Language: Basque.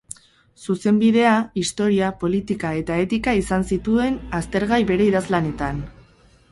Zuzenbidea, historia, politika eta etika izan zituen aztergai bere idazlanetan.